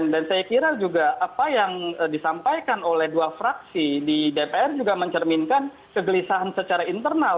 dan saya kira juga apa yang disampaikan oleh dua fraksi di dpr juga mencerminkan kegelisahan secara internal